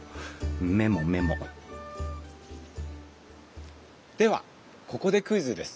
メモメモではここでクイズです。